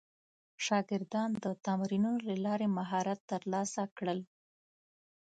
شاګردان د تمرینونو له لارې مهارت ترلاسه کړل.